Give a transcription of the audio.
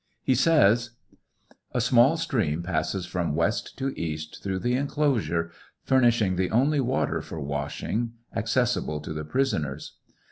He says : A small stream passes from west to cast through the enclosure, furnishing the only water for washing accessible to the prisoners.